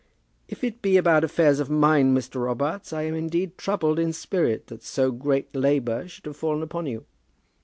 "If it be about affairs of mine, Mr. Robarts, I am indeed troubled in spirit that so great labour should have fallen upon you."